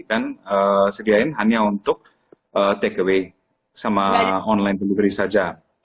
dan diberikan hanya untuk takeaway sama online delivery saja